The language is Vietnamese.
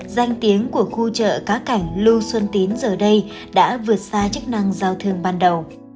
danh tiếng của khu chợ cá cảnh lưu xuân tín giờ đây đã vượt xa chức năng giao thương ban đầu